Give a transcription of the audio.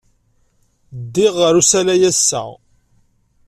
Ddiɣ ɣer usalay ass-a.